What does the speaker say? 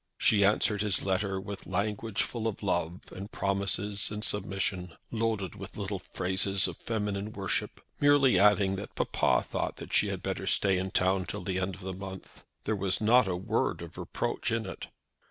She answered his letter with Language full of love and promises and submission, loaded with little phrases of feminine worship, merely adding that papa thought she had better stay in town till the end of the month. There was not a word of reproach in it.